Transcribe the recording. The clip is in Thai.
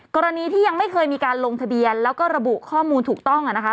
กรณีที่ยังไม่เคยมีการลงทะเบียนแล้วก็ระบุข้อมูลถูกต้องนะคะ